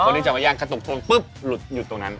คนที่จะมาย่างกระตุกทงปุ๊บหยุดตรงนั้น